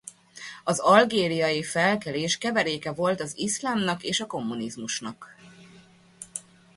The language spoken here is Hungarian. Az algériai felkelés keveréke volt az iszlámnak és a kommunizmusnak.